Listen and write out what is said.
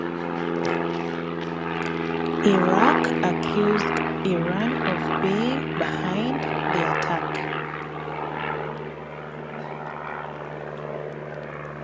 Iraq accused Iran of being behind the attack.